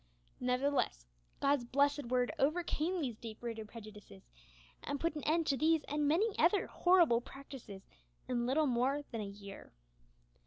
Nevertheless, God's blessed Word overcame these deep rooted prejudices, and put an end to these and many other horrible practices in little more than a year.